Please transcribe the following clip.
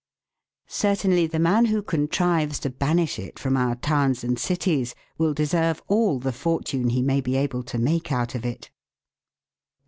Certainly the man who contrives to banish it from our towns and cities will deserve all the fortune he may be able to make out of it.